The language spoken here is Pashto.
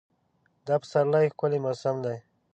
دا پسرلی ښکلی موسم دی.